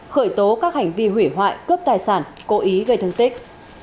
khởi tố các hành vi hủy hoại cướp tài sản cố ý gây thương tích